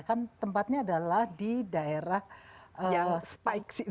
kan tempatnya adalah di daerah yang spike